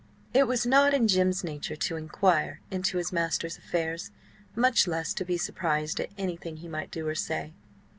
It was not in Jim's nature to inquire into his master's affairs, much less to be surprised at anything he might do or say.